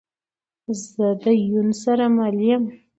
زه ده یون سره مل یم